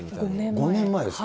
５年前ですか。